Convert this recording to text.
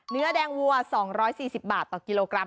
เนื้อแดงวัว๒๔๐บาทต่อกิโลกรัม